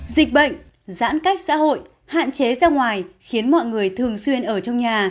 dịch bệnh giãn cách xã hội hạn chế ra ngoài khiến mọi người thường xuyên ở trong nhà